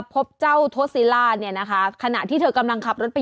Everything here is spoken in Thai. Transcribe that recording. พบเจ้าโทสิล่าขณะที่เธอกำลังขับรถไป